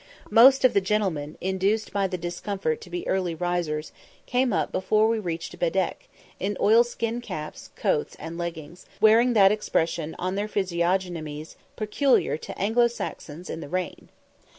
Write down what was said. Most of the gentlemen, induced by the discomfort to be early risers, came up before we reached Bedeque, in oilskin caps, coats, and leggings, wearing that expression on their physiognomies peculiar to Anglo Saxons in the rain.